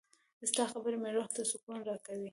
• ستا خبرې مې روح ته سکون راکوي.